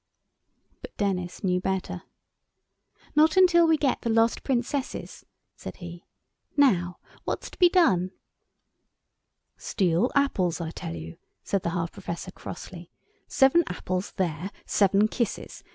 But Denis knew better. "Not till we get the lost Princesses," said he, "now, what's to be done?" "Steal apples I tell you," said the half Professor, crossly; "seven apples—there—seven kisses.